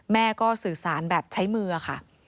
แม่ก็สื่อสารแบบใช้มือค่ะ